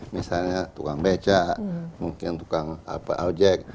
misalnya tukang beca mungkin tukang ojek